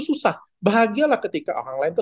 susah bahagialah ketika orang lain itu